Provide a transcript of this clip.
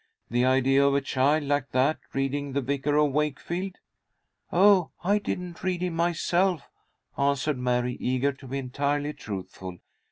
"The idea of a child like that reading the 'Vicar of Wakefield.'" "Oh, I didn't read him myself," answered Mary, eager to be entirely truthful.